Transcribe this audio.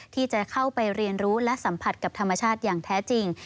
ที่จะเข้าไปเรียนรู้และสัมผัสกับธรรมชาติอย่างแท้จริง